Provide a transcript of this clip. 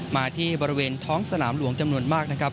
มาที่บริเวณท้องสนามหลวงจำนวนมากนะครับ